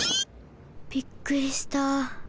びっくりした。